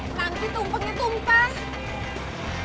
nanti tumpengnya tumpai